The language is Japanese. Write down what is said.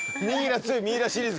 ミイラシリーズ。